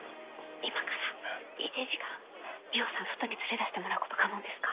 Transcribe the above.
・今から１時間海音さん外に連れ出してもらうこと可能ですか？